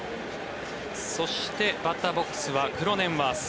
そしてバッターボックスはクロネンワース。